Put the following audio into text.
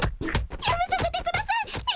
やめさせてください幹雄さま！